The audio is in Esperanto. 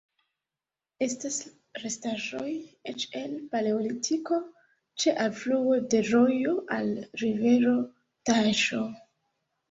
Estas restaĵoj eĉ el Paleolitiko, ĉe alfluo de rojo al rivero Taĵo.